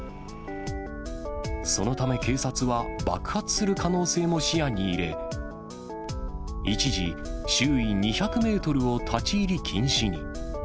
そのため警察は、爆発する可能性も視野に入れ、一時、周囲２００メートルを立ち入り禁止に。